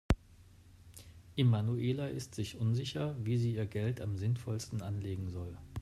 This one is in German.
Emanuela ist sich unsicher, wie sie ihr Geld am sinnvollsten anlegen soll.